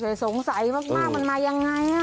โถยสงสัยมากมันมาอย่างไร